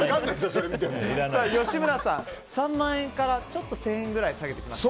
吉村さん、３万円から１０００円ぐらい下げてきました。